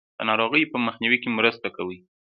د ناروغیو په مخنیوي کې مرسته کوي.